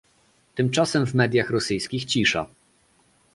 Tymczasem w mediach rosyjskich cisza